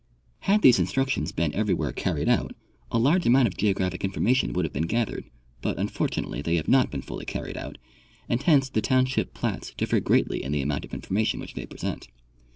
Had these instructions been every where carried out a large amount of geographic information would have been gathered ; but unfortunatel}^ tt^ey have not been fully carried out, and hence the township plats differ' greatly in the amount of information which they present.